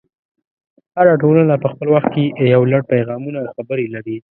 هره ټولنه په خپل وخت کې یو لړ پیغامونه او خبرې لري.